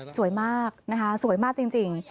สวยมากนะคะสวยมากจริง